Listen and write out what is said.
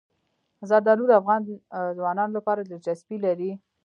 زردالو د افغان ځوانانو لپاره دلچسپي لري.